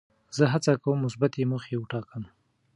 زه هڅه کوم مثبتې موخې وټاکم.